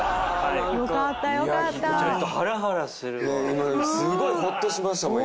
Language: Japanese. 今すごいホッとしましたもん。